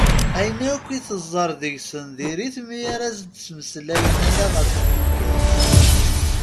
Ayen akk i teẓẓar deg-sen diri-t mi ara as-d-ttmeslayen ala ɣef tfekka-s.